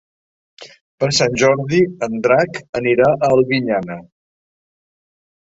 Per Sant Jordi en Drac anirà a Albinyana.